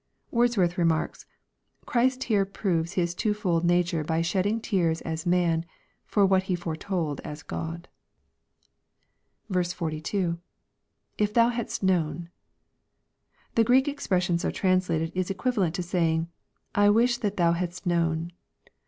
Wordsworth remarks, " Christ here proves His twofold nature by shedding tears as man, for what He foretold as Gk)d." 42. — \If thou hadst hnown.l The Q reek expression so translated is equivalent to saying, " I wish that thou hadst known."